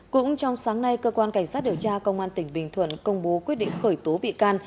cũng trong sáng nay cơ quan cảnh sát điều tra công an tỉnh bình thuận công bố quyết định khởi tố bị can